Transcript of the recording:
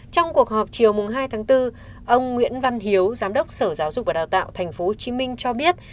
trong cuộc họp chiều hai tháng bốn ông nguyễn văn hiếu giám đốc sở giáo dục và đào tạo tp hcm cho biết